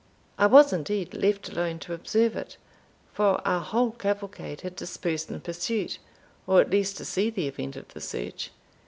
I was indeed left alone to observe it, for our whole cavalcade had dispersed in pursuit, or at least to see the event of the search.